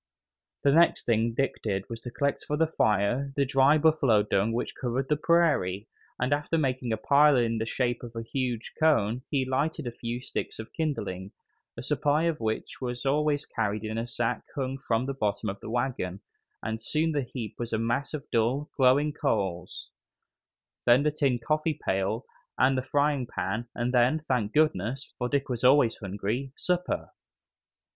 The next thing Dick did was to collect for the fire the dry buffalo dung which covered the prairie, and after making a pile in the shape of a huge cone he lighted a few sticks of kindling, a supply of which was always carried in a sack hung from the bottom of the wagon, and soon the heap was a mass of dull, glowing coals; then the tin coffee pail and the frying pan, and then, thank goodness! for Dick was always hungry supper.